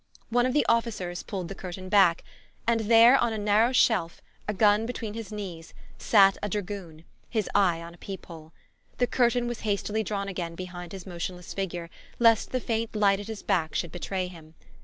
One of the officers pulled the curtain back, and there, on a narrow shelf, a gun between his knees, sat a dragoon, his eyes on a peep hole. The curtain was hastily drawn again behind his motionless figure, lest the faint light at his back should betray him.